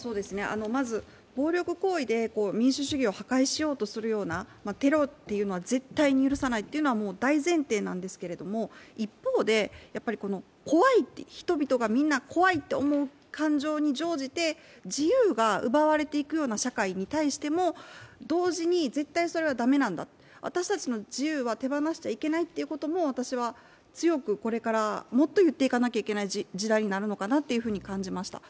まず、暴力行為で民主主義を破壊しようとするようなテロっていうのは絶対に許さないというのは大前提なんですけど、一方で、怖い、人々がみんな怖いと思う感情に乗じて自由が奪われていくような社会に対しても同時に絶対それは駄目なんだ、私たちの自由は手放しちゃいけないということも私は強くこれから、もっと言っていかなければいけない時代になるのかなと感じました。